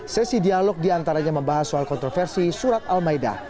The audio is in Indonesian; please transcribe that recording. sesi dialog diantaranya membahas soal kontroversi surat al maida